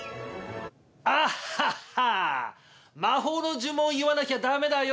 「アッハッハ魔法の呪文を言わなきゃダメだよ」。